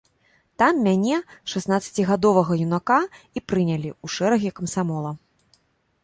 Там мяне, шаснаццацігадовага юнака, і прынялі ў шэрагі камсамола.